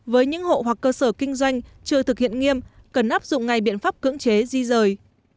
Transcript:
với những hộ hoặc cơ sở kinh doanh chưa thực hiện nghiêm cần áp dụng ngay biện pháp cưỡng chế di rời